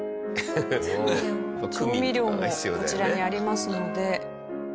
調味料もこちらにありますので。